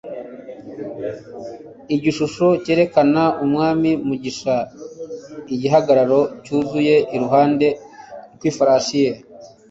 Igishusho cyerekana Umwami Mugisha igihagararo cyuzuye iruhande rw'ifarashi ye